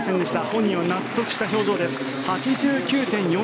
本人は納得した表情です。